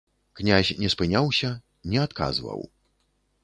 Князь не спыняўся, не адказваў.